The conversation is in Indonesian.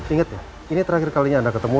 ingat ya ini terakhir kalinya anda ketemu